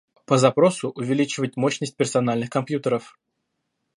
По запросу увеличивать мощность персональных компьютеров